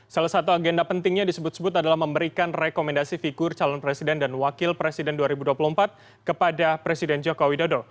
salah satu agenda pentingnya disebut sebut adalah memberikan rekomendasi figur calon presiden dan wakil presiden dua ribu dua puluh empat kepada presiden joko widodo